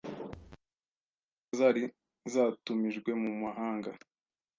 zikaba zari zatumijwe mu mahanga